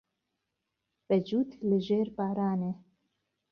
بە جووت لە ژێر بارانێ